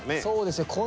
そうですよ。